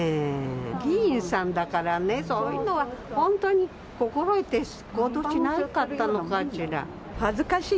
議員さんだからね、そういうのは本当に、心得て行動しなかったのかしら。